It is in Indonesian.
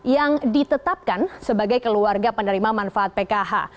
yang ditetapkan sebagai keluarga penerima manfaat pkh